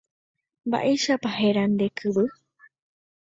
Mba'éichapa héra nde kyvy.